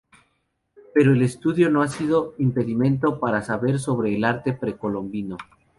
Pero el estudio no ha sido un impedimento para saber sobre el arte precolombino.